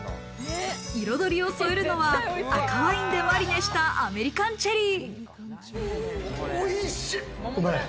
彩りを添えるのは赤ワインでマリネしたアメリカンチェリー。